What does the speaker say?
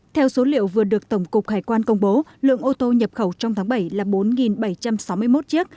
theo số liệu vừa được tổng cục hải quan công bố lượng ô tô nhập khẩu trong tháng bảy là bốn bảy trăm sáu mươi một chiếc